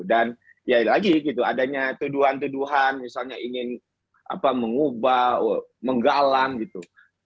dan ya lagi gitu adanya tuduhan tuduhan misalnya ingin mengubah menggalang gitu